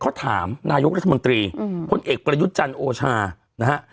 เขาถามนายกรัฐมนตรีพลเอกประยุทธ์จันทร์โอชานะฮะ